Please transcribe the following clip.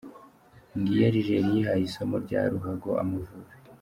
Ngiyi Algeria ihaye isomo rya ruhago Amavubi.